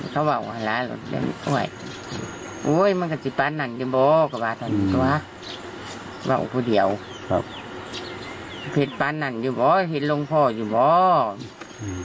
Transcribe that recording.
ผิดปานั่งอยู่บ้อยผิดลงพออยู่บ้อย